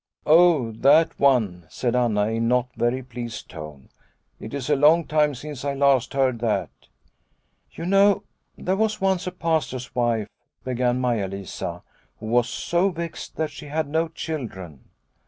" Oh, that one," said Anna in no very pleased tone. "It is a long time since I last heard that." " You know there was once a Pastor's wife," began Maia Lisa, " who was so vexed that she had no children."